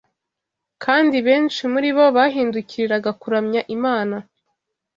kandi benshi muri bo bahindukiriraga kuramya Imana